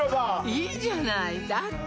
いいじゃないだって